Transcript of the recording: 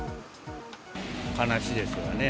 悲しいですよね。